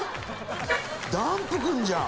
「ダンプ来るじゃん！」